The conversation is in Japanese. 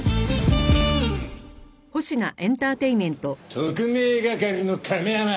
特命係の亀山！